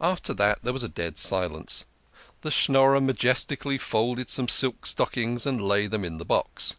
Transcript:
After that there was a dead silence. The Schnorrer majestically folded some silk stockings and laid them in the box.